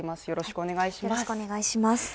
よろしくお願いします